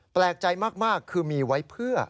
แปลกใจมากคือมีไว้เพื่อ